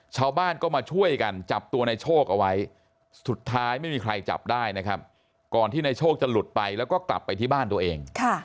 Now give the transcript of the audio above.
ชาวบ้านก็มาช่วยกันจับตัวในโชคเอาไว้สุดท้ายไม่มีใครจับได้นะครับก่อนที่ในโชคจะหลุดไปแล้วก็กลับไปที่บ้านตัวเอง